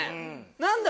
何だ？